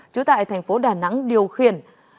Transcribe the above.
trú tại thành phố đà nẵng điều khiển